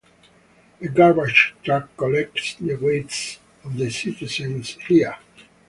A garbage truck collects the wastes of the citizens here.